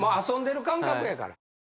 遊んでる感覚やから。